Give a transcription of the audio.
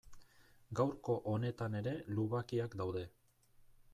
Gaurko honetan ere lubakiak daude.